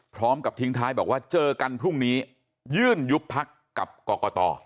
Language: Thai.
พร้อมกับทิ้งท้ายบอกว่าเจอกันพรุ่งนี้ยื่นยุบพักกับกรกต